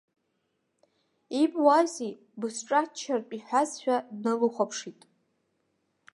Ибуазеи бысҿаччартә иҳәазшәа дналыхәаԥшит.